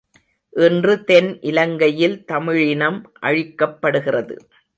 இன்று தென் இலங்கையில் தமிழினம் அழிக்கப்படுகிறது!